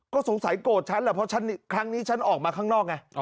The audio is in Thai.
ก็สงสัยโกรธฉันแหละเพราะครั้งนี้ฉันออกมาข้างนอกไง